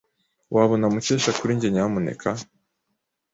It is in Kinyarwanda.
Wabona Mukesha kuri njye, nyamuneka?